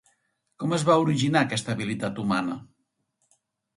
Com es va originar aquesta habilitat humana?